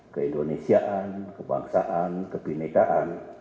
keindonesiaan kebangsaan kebenekaan